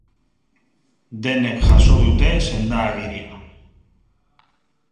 Denek jaso dute senda-agiria.